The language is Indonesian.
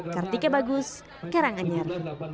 kartike bagus karanganyar